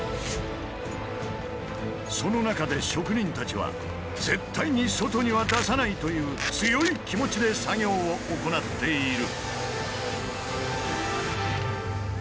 その中で職人たちは絶対に外には出さないという強い気持ちで作業を行っている。